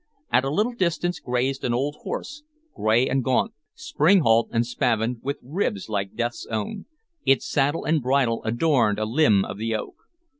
At a little distance grazed an old horse, gray and gaunt, springhalt and spavined, with ribs like Death's own. Its saddle and bridle adorned a limb of the oak.